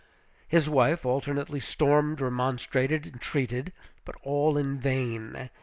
His wife alternately stormed, remonstrated, entreated; but all in vain.